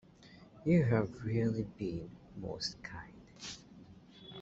You have really been most kind.